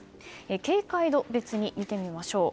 警戒度別に見てみましょう。